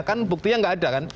kan buktinya nggak ada kan